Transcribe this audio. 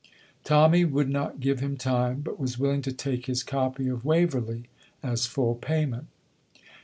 Tommy would not give him time, but was willing to take his copy of "Waverley" as full payment.